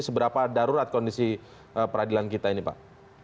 seberapa darurat kondisi peradilan kita ini pak